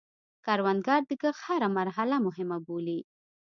کروندګر د کښت هره مرحله مهمه بولي